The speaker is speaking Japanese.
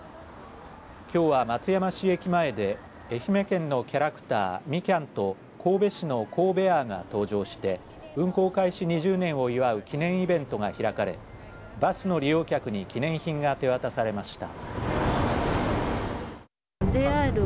きょうは、松山市駅前で愛媛県のキャラクターみきゃんと神戸市のコーベアーが登場して運行開始２０年を祝う記念イベントが開かれバスの利用客に記念品が手渡されました。